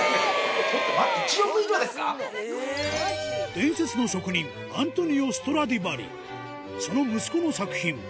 伝説の職人アントニオ・ストラディヴァリその息子の作品